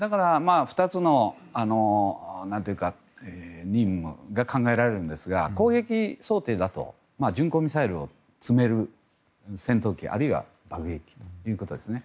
２つの任務が考えられるんですが攻撃想定だと巡航ミサイルを積める戦闘機あるいは爆撃機ということですね。